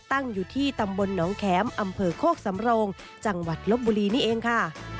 ตั้งอยู่ที่ตำบลหนองแข็มอำเภอโคกสำโรงจังหวัดลบบุรีนี่เองค่ะ